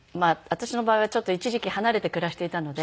私の場合はちょっと一時期離れて暮らしていたので。